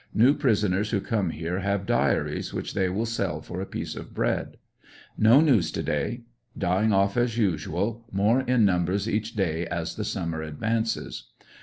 New prisoners who come here have diaries which they will sell for a piece of bread. No new^s to day. Dying off as usual — more in numbers each day as the summer advances.